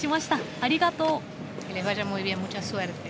ありがとう。